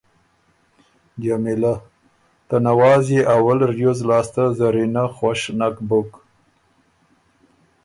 جمیلۀ: ته نواز يې اول ریوز لاسته زرینه خوش نک بُک